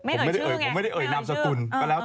ผมไม่ได้เอ่ยนำสกุล